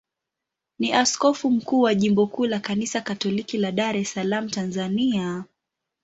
ni askofu mkuu wa jimbo kuu la Kanisa Katoliki la Dar es Salaam, Tanzania.